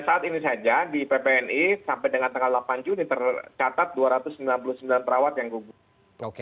saat ini saja di ppni sampai dengan tanggal delapan juni tercatat dua ratus sembilan puluh sembilan perawat yang gugur